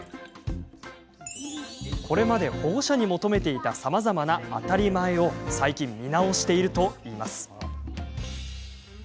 これまで保護者に求めていたさまざまな当たり前を最近、見直しているといいます。